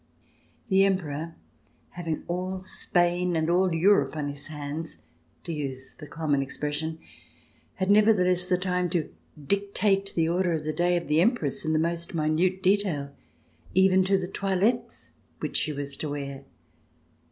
The Emperor, having all Spain and all Europe on his hands, to use the common expression, had never theless the time to dictate the order of the day of the Empress, in the most minute detail, even to the toilettes which she was to wear.